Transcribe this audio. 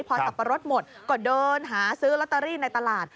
พอสับปะรดหมดก็เดินหาซื้อลอตเตอรี่ในตลาด